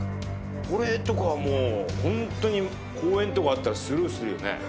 これとかもうホントに公園とかあったらスルーするよね